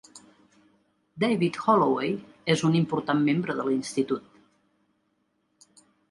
David Holloway és un important membre de l'institut.